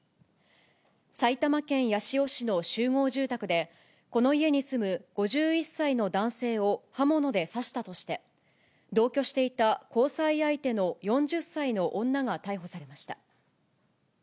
埼玉県八潮市の集合住宅で、この家に住む５１歳の男性を刃物で刺したとして、同居していた交際相手の４０歳の女が逮捕されました。